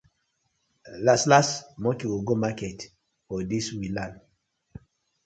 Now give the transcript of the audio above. Lass lass monkey go go market for dis we land.